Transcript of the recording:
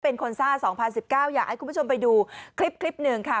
เป็นคนซ่า๒๐๑๙อยากให้คุณผู้ชมไปดูคลิปหนึ่งค่ะ